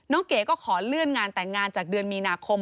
เก๋ก็ขอเลื่อนงานแต่งงานจากเดือนมีนาคม